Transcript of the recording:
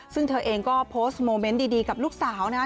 ซึ่งเธอเองก็โพสต์โมเมนต์ดีกับลูกสาวนะครับ